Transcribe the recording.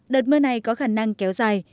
đợt mưa này có khả năng kéo dài